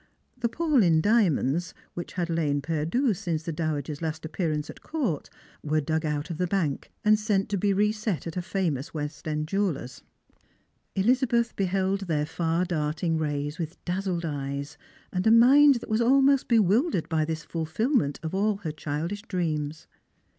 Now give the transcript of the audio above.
The Paulyn diamonds, which had lain perdu since the dowager's last appearance at court, were dug out of th« bank, and sent to be reset at a famous West end jeweller's. 2G2 Strangers and Pilgrims. Elizabeth beheld their far darting rays with dazzlfe<:{ eyes, and a mind that was almost bewildered by this fulfilment of all her childish dreams.